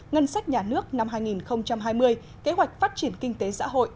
ngân sách nhà nước năm hai nghìn hai mươi kế hoạch phát triển kinh tế xã hội